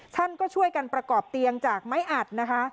ท่านก็ช่วยกันประกอบเตียงจากไม้อัดนะคะ